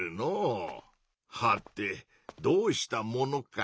はてどうしたものか。